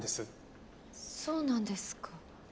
そうなんですか。